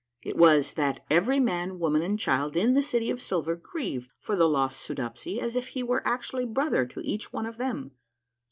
It was that every man, woman, and child in the City of Silver grieved for the lost Soodopsy as if he were actually brother to each of them.